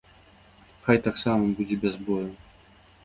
Хай таксама будзе без бою.